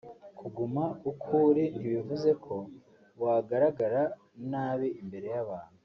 Kuguma uko uri ntibivuze ko wagaragara nabi imbere y’abantu